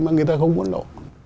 mà người ta không muốn lộ